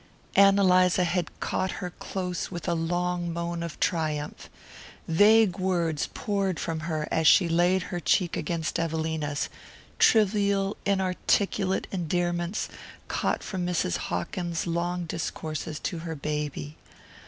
Ann Eliza had caught her close with a long moan of triumph. Vague words poured from her as she laid her cheek against Evelina's trivial inarticulate endearments caught from Mrs. Hawkins's long discourses to her baby.